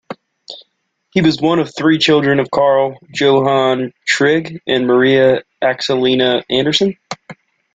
He was one of three children of Carl Johan Trygg and Maria Axelina Andersson.